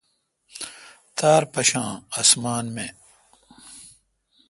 تار مشان اَاسمان می۔